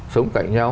sống cạnh nhau